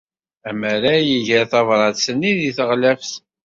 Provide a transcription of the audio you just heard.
Amaray iger tabrat-nni deg teɣlaft.